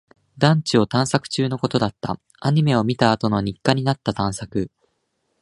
団地を探索中のことだった。アニメを見たあとの日課になった探索。